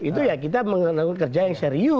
itu ya kita mengenal kerja yang serius